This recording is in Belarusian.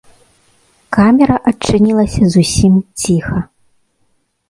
Камера адчынілася зусім ціха.